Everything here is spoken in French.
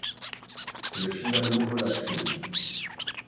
Elle est finalement relaxée.